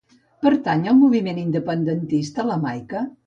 Pertany al moviment independentista la Maica?